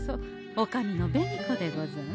おかみの紅子でござんす。